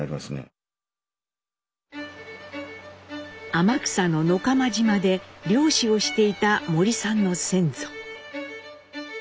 天草の野釜島で漁師をしていた森さんの先祖。